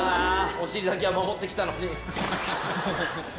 お尻だけは守って来たのに。